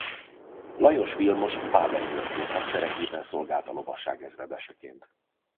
Lajos Vilmos badeni őrgróf hadseregében szolgált a lovasság ezredeseként.